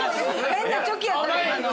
変なチョキやったな今の。